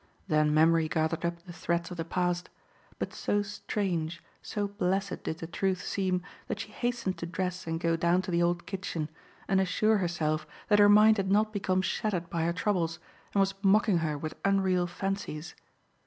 Then memory gathered up the threads of the past; but so strange, so blessed did the truth seem that she hastened to dress and go down to the old kitchen and assure herself that her mind had not become shattered by her troubles and was mocking her with unreal fancies.